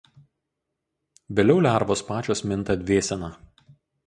Vėliau lervos pačios minta dvėsena.